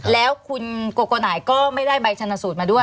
แล้วคุณโกโกนายก็ไม่ได้ใบชนสูตรมาด้วย